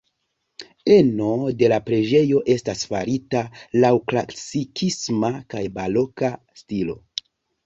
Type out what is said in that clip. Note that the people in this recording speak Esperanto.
Eno de la preĝejo estas farita laŭ klasikisma kaj baroka stilo.